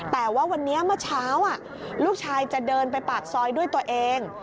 แต่ว่าวันนี้เมื่อเช้าลูกชายจะเดินไปปากซอยด้วยตัวเอง